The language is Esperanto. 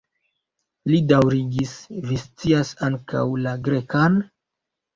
Li daŭrigis: "Vi scias ankaŭ la Grekan?"